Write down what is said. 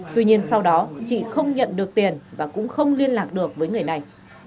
tuy nhiên sau đó chị không nhận được tiền và cũng không liên lạc được với người này